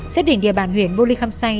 xét định địa bàn huyền bô lê khâm say